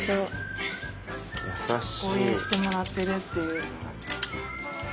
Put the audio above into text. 応援してもらってるっていう。